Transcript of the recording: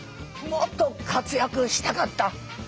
もっと活躍したかった？